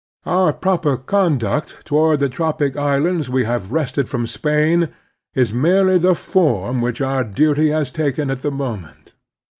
Our proper conduct toward the tropic islands we have wrested from Spain is merely the form which our duty has taken at the moment.